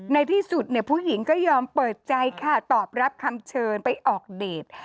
ในที่สุดผู้หญิงก็ยอมเปิดใจค่ะตอบรับคำเชิญไปออกเดท